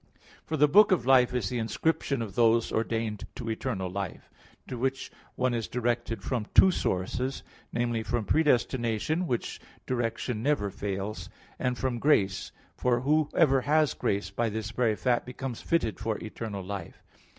For the book of life is the inscription of those ordained to eternal life, to which one is directed from two sources; namely, from predestination, which direction never fails, and from grace; for whoever has grace, by this very fact becomes fitted for eternal life.